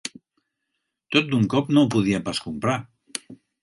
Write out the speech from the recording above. Tot d'un cop no ho podia pas comprar